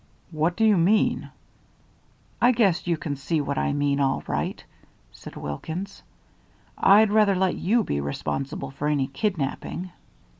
"What do you mean?" "I guess you can see what I mean all right," said Wilkins. "I'd rather let you be responsible for any kidnapping."